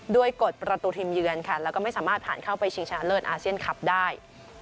กฎประตูทีมเยือนค่ะแล้วก็ไม่สามารถผ่านเข้าไปชิงชนะเลิศอาเซียนคลับได้